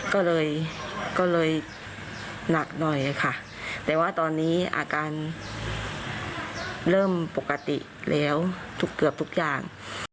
ก็เลยก็เลยหนักหน่อยค่ะแต่ว่าตอนนี้อาการเริ่มปกติแล้วเกือบทุกอย่าง